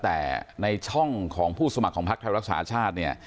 แต่ในช่องของผู้สมัครของพักไทยรักษาชาติเนี่ย